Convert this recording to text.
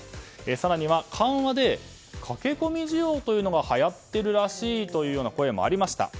更には、緩和で駆け込み需要がはやっているらしいという声もありました。